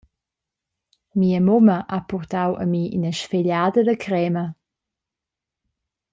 Mia mumma ha purtau a mi ina sfegliada da crema.